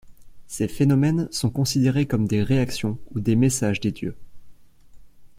Ces phénomènes sont considérés comme des réactions ou des messages des dieux.